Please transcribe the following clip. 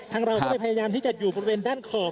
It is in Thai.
ทางเราก็เป็นพยายามที่จะอยู่บนเว้นด้านขอบ